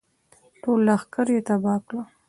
ټول لښکر یې تباه کړل.